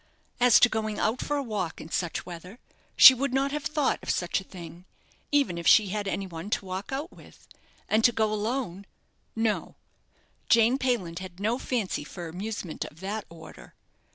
As to going out for a walk in such weather, she would not have thought of such a thing, even if she had any one to walk out with; and to go alone no Jane Payland had no fancy for amusement of that order.